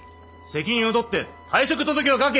責任を取って退職届を書け！